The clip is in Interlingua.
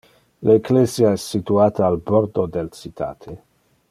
Le ecclesia es situate al bordo del citate.